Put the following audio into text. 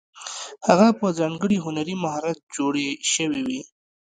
هغه په ځانګړي هنري مهارت جوړې شوې وې.